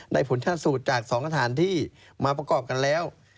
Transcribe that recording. ได้ผลชาติสูตรจากสองกระถานที่มาประกอบกันแล้ว